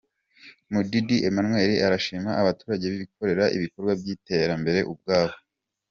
Mudidi Emmanuel arashima abaturage bikorera ibikorwa by’iterambere ubwabo.